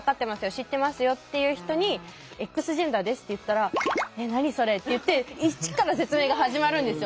知ってますよ」って言う人に「Ｘジェンダーです」って言ったら「え何それ？」って言って一から説明が始まるんですよ。